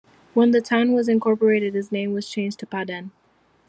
When the town was incorporated its name was changed to Paden.